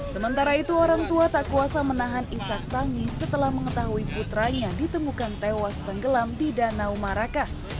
sementara itu orang tua tak kuasa menahan isak tangis setelah mengetahui putranya ditemukan tewas tenggelam di danau marrakas